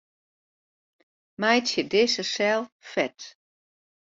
Meitsje dizze sel fet.